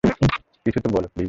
কিছু তো বলো, প্লিজ।